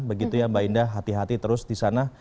begitu ya mbak indah hati hati terus disana